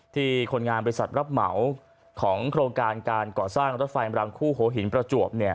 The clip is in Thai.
คนงานบริษัทรับเหมาของโครงการการก่อสร้างรถไฟรางคู่หัวหินประจวบ